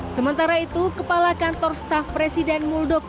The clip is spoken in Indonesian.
sementara itu kepala kantor staff presiden